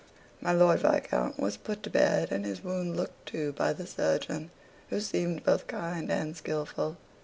My Lord Viscount was put to bed, and his wound looked to by the surgeon, who seemed both kind and skilful.